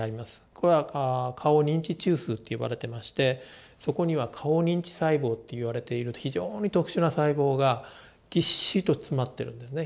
これは顔認知中枢って呼ばれてましてそこには顔認知細胞っていわれている非常に特殊な細胞がぎっしりと詰まってるんですね。